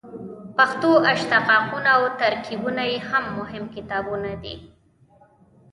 پښتو اشتقاقونه او ترکیبونه یې هم مهم کتابونه دي.